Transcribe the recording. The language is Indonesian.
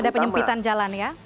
ada penyempitan jalan ya